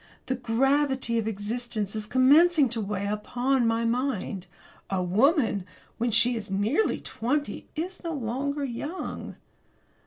The gravity of existence is commencing to weigh upon my mind. A woman when she is nearly twenty is no longer young.